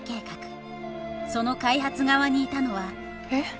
その開発側にいたのはえ？